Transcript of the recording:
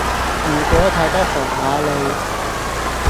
如果太多韓瑪利